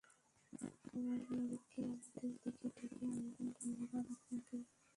আর, নরককে আমাদের দিকে ডেকে আনবেন, ধন্যবাদ আপনাকে।